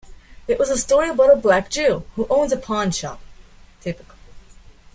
It was a story about a Black Jew who owns a pawnshop.